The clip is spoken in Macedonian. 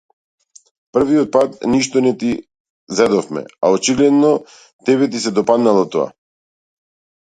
Првиот пат ништо не ти зедовме, а очигледно, тебе ти се допаднало тоа.